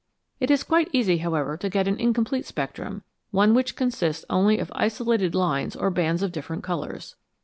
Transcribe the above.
It is quite easy, however, to get an incomplete spectrum, one which consists only of isolated lines or bands of different colours.